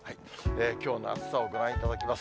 きょうの暑さをご覧いただきます。